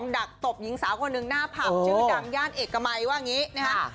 ดักตบหญิงสาวคนหนึ่งหน้าผับชื่อดังย่านเอกมัยว่าอย่างนี้นะคะ